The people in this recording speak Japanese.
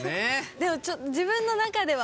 でも自分の中でははい。